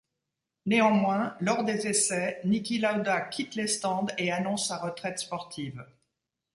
Néanmoins, lors des essais, Niki Lauda quitte les stands et annonce sa retraite sportive.